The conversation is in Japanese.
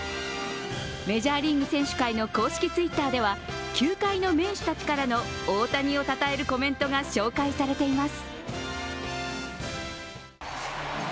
メジャーリーグ選手会の公式Ｔｗｉｔｔｅｒでは球界の名手たちからの大谷をたたえるコメントが紹介されています。